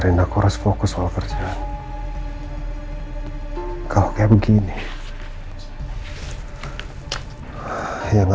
ya mungkin karena